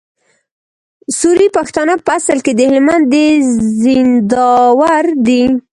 سوري پښتانه په اصل کي د هلمند د زينداور دي